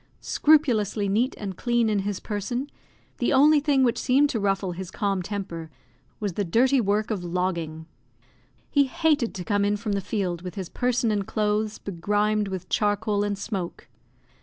Scrupulously neat and clean in his person, the only thing which seemed to ruffle his calm temper was the dirty work of logging; he hated to come in from the field with his person and clothes begrimed with charcoal and smoke.